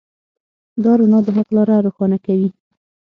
دا رڼا د حق لاره روښانه کوي.